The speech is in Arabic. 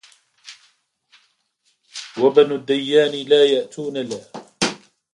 وبنو الديان لا يأتون لا